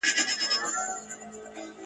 درته منصور سمه پردی له خپله ځانه سمه ..